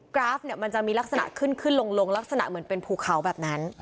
กราฟเนี่ยมันจะมีลักษณะขึ้นขึ้นลงลักษณะเหมือนเป็นภูเขาแบบนั้น